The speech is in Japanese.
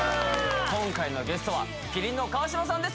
今回のゲストは麒麟の川島さんです